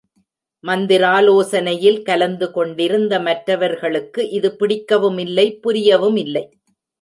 மந்திராலோசனையில் கலந்து கொண்டிருந்த மற்றவர்களுக்கு இது பிடிக்கவுமில்லை, புரியவுமில்லை.